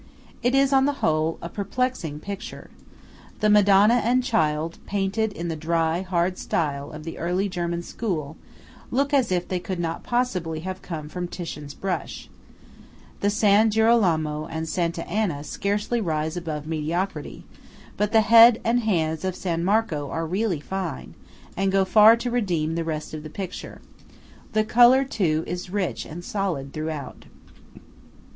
It is, on the whole, a perplexing picture. The Madonna and child, painted in the dry, hard style of the early German school, look as if they could not possibly have come from Titian's brush; the San Girolamo and Santa Anna scarcely rise above mediocrity; but the head and hands of San Marco are really fine, and go far to redeem the rest of the picture. The colour, too, is rich and solid throughout.